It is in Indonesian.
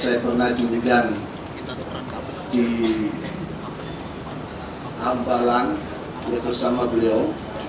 saya pernah diundang undang di ambalang bersama beliau